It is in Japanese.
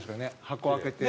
箱開けて。